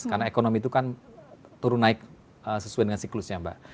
karena ekonomi itu kan turun naik sesuai dengan siklusnya mbak